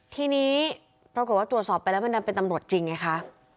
ทีนี้ปรากฏว่าตรวจสอบไปแล้วมันดันเป็นตำรวจจริงไงคะ